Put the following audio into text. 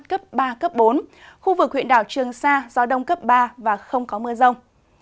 cấp ba bốn khu vực huyện đảo trường sa gió đông cấp ba và không có mưa rông